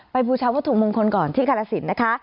บูชาวัตถุมงคลก่อนที่กาลสินนะคะ